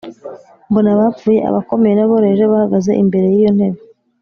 Mbona abapfuye, abakomeye n’aboroheje bahagaze imbere y’iyo ntebe,